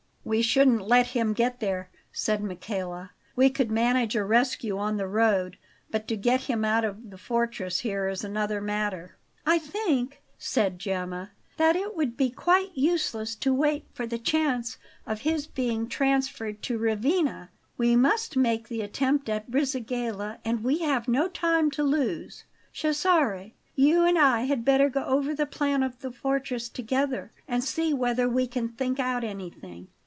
"We shouldn't let him get there," said Michele. "We could manage a rescue on the road; but to get him out of the fortress here is another matter." "I think," said Gemma; "that it would be quite useless to wait for the chance of his being transferred to Ravenna. We must make the attempt at Brisighella, and we have no time to lose. Cesare, you and I had better go over the plan of the fortress together, and see whether we can think out anything.